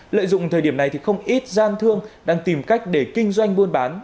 lợi dụng thời điểm này thì không ít gian thương đang tìm cách để kinh doanh buôn bán